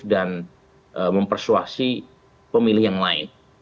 dan mempersuasi pemilih yang lain